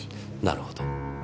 なるほど。